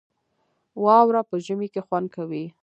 واوره په ژمي کې خوند کوي